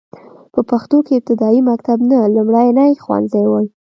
په پښتو کې ابتدايي مکتب ته لومړنی ښوونځی وايي.